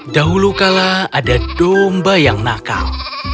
dahulu kala ada domba yang nakal